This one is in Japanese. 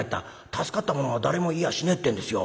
助かった者は誰もいやしねえってんですよ。